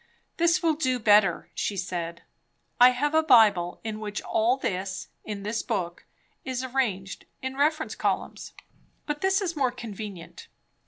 "This will do better," she said. "I have a Bible in which all this, in this book, is arranged in reference columns; but this is more convenient.